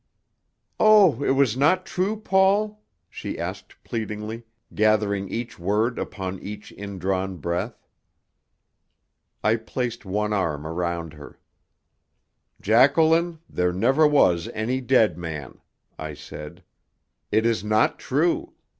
"Oh, it was not true, Paul?" she asked pleadingly, gathering each word upon each indrawn breath. I placed one arm around her. "Jacqueline, there never was any dead man," I said. "It is not true.